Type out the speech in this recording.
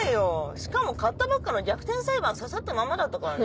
しかも買ったばっかの『逆転裁判』ささったまんまだったからね。